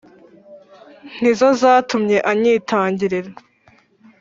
Ni zo zatumy' anyitangirira;